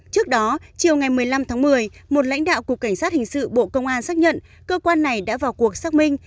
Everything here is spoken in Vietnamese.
trước đó chiều ngày một mươi năm tháng một mươi một lãnh đạo cục cảnh sát hình sự bộ công an xác nhận cơ quan này đã vào cuộc xác minh